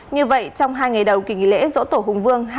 như vậy trong hai ngày đầu kỳ nghỉ lễ dỗ tổ hùng vương